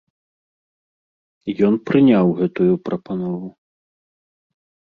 Ён прыняў гэтую прапанову.